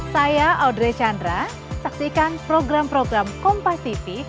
saya audrey chandra saksikan program program kompativity